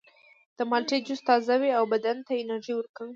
د مالټې جوس تازه وي او بدن ته انرژي ورکوي.